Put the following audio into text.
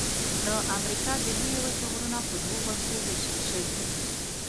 د امریکا د لویې وچې غرونه په دوو برخو ویشل شوي.